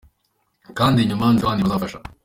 Kandi nyuma, nzi ko abandi bafasha.